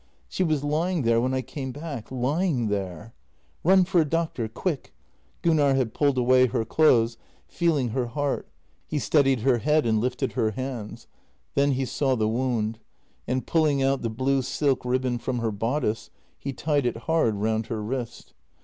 " She was lying there when I came back — lying there. .." Run for a doctor — quick! " Gunnar had pulled away her clothes, feeling her heart; he steadied her head and lifted her hands. Then he saw the wound, and, pulling out the blue silk ribbon from her bodice, he tied it hard round her wrist.